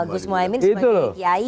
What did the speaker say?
gus mohaimin sebagai kiai